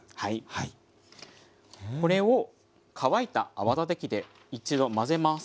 これを乾いた泡立て器で一度混ぜます。